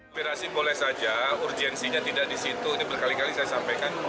aspirasi boleh saja urgensinya tidak di situ ini berkali kali saya sampaikan